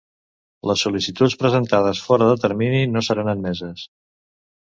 Les sol·licituds presentades fora de termini no seran admeses.